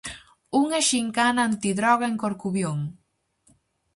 Unha xincana antidroga en Corcubión.